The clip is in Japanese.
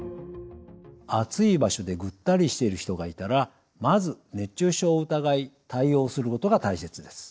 暑い場所でぐったりしている人がいたらまず熱中症を疑い対応することが大切です。